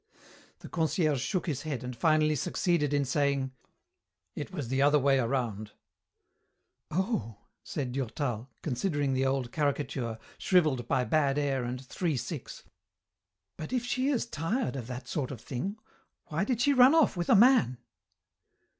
The concierge shook his head and finally succeeded in saying, "It was the other way around." "Oh," said Durtal, considering the old caricature, shrivelled by bad air and "three six," "but if she is tired of that sort of thing, why did she run off with a man?"